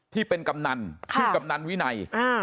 กำนันชื่อกำนันวินัย